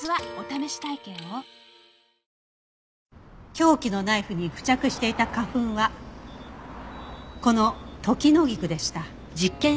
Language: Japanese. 凶器のナイフに付着していた花粉はこのトキノギクでした。